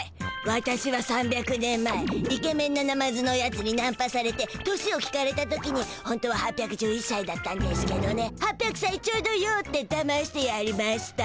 ワタシは３００年前イケメンなナマズのやつにナンパされて年を聞かれた時にほんとは８１１さいだったんでしゅけどね「８００さいちょうどよ」ってだましてやりました。